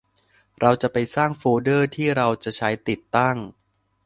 เราจะไปสร้างโฟลเดอร์ที่เราจะใช้ติดตั้ง